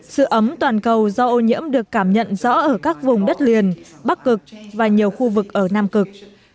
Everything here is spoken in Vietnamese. sự ấm toàn cầu do ô nhiễm được cảm nhận rõ ở các vùng đất liền bắc cực và nhiều khu vực ở nam cực